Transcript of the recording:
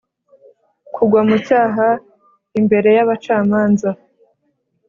kugwa mu cyaha, imbere y’abacamanza,